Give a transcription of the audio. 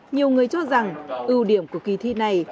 nhiều người cho rằng ưu điểm của kỳ thi này